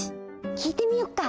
きいてみよっか。